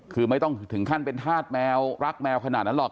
คือไม่ต้องถึงขั้นเป็นธาตุแมวรักแมวขนาดนั้นหรอก